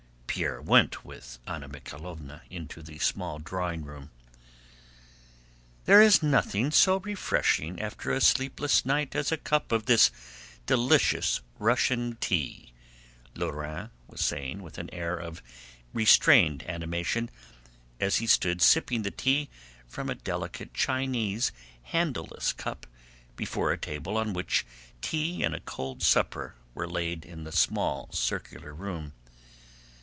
Pierre went with Anna Mikháylovna into the small drawing room. "There is nothing so refreshing after a sleepless night as a cup of this delicious Russian tea," Lorrain was saying with an air of restrained animation as he stood sipping tea from a delicate Chinese handleless cup before a table on which tea and a cold supper were laid in the small circular room.